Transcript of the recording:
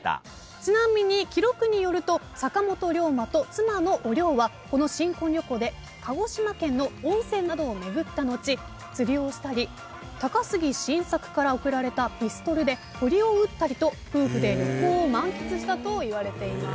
ちなみに記録によると坂本龍馬と妻のお龍はこの新婚旅行で鹿児島県の温泉などを巡った後釣りをしたり高杉晋作から贈られたピストルで鳥を撃ったりと夫婦で旅行を満喫したといわれています。